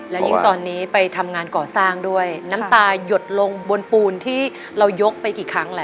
แต่ก็ไม่อยากให้ใครเห็นนะ